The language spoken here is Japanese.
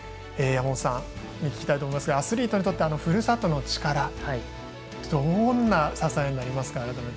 山本さんに聞きたいと思いますがアスリートにとってふるさとの力ってどんな支えになりますか。